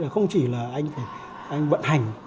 không chỉ là anh vận hành